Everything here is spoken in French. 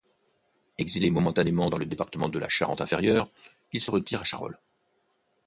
Exilé momentanément dans le département de la Charente Inférieure, il se retire à Charolles.